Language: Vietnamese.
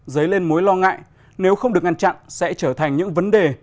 dấy lên mối lo ngại nếu không được ngăn chặn sẽ trở thành những vấn đề